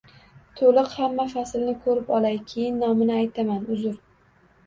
To‘liq hamma faslni ko‘rib olay keyin nomini aytaman. Uzr.